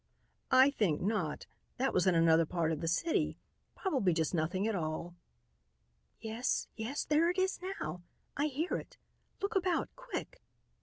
"I think not. That was in another part of the city. Probably just nothing at all." "Yes, yes, there it is now. I hear it. Look about quick."